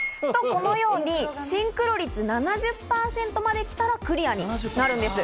このようにシンクロ率７０％まで来たらクリアになるんです。